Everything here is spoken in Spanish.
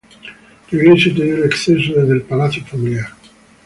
La iglesia tenía un acceso desde el palacio familiar.